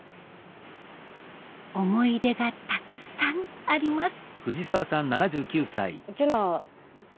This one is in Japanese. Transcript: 思い出がたくさんあります。